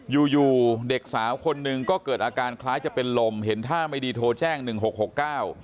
อยู่อยู่เด็กสาวคนหนึ่งก็เกิดอาการคล้ายจะเป็นลมเห็นท่าไม่ดีโทรแจ้งหนึ่งหกหกเก้า